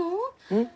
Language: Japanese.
うん？